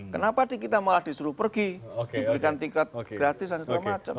kenapa kita malah disuruh pergi diberikan tiket gratis dan segala macam